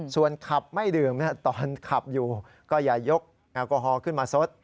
ส่วนขับไม่ดื่มตอนขับอยู่ก็อย่ายกแอลกอฮอลขึ้นมาซด